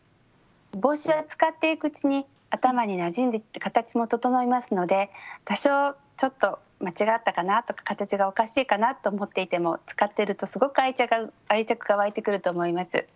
帽子は使っていくうちに頭になじんで形も整いますので多少ちょっと間違ったかなとか形がおかしいかなと思っていても使ってるとすごく愛着が湧いてくると思います。